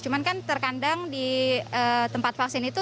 cuman kan terkadang di tempat vaksin itu